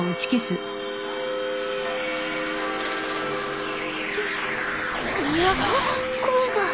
声が。